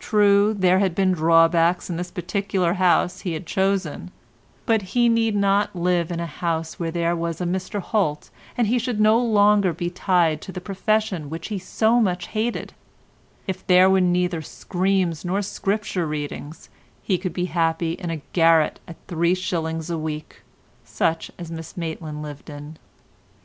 True, there had been drawbacks in the particular house he had chosen, but he need not live in a house where there was a Mr Holt and he should no longer be tied to the profession which he so much hated; if there were neither screams nor scripture readings he could be happy in a garret at three shillings a week, such as Miss Maitland lived in.